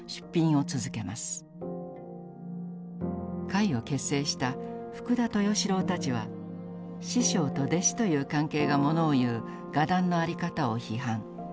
会を結成した福田豊四郎たちは師匠と弟子という関係がものを言う画壇の在り方を批判。